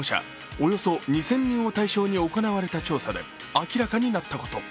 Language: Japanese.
およそ２０００人を対象に行われた調査で明らかになったこと。